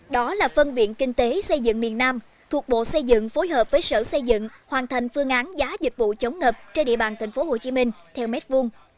đó là phân viện kinh tế xây dựng miền nam thuộc bộ xây dựng phối hợp với sở xây dựng hoàn thành phương án giá dịch vụ chống ngập trên địa bàn tp hcm theo mét vuông